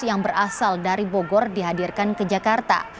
yang berasal dari bogor dihadirkan ke jakarta